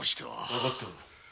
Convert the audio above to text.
わかっておる。